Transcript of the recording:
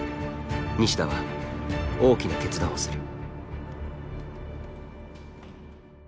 西田は大きな決断をする。